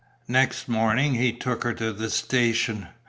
Next morning he took her to the station.